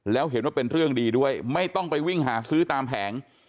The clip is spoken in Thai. แล้วเห็นว่าเป็นเรื่องดีด้วยไม่ต้องไปวิ่งหาซื้อตามแผง